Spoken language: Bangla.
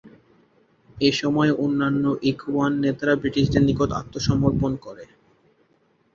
এসময় অন্যান্য ইখওয়ান নেতারা ব্রিটিশদের নিকট আত্মসমর্পণ করে।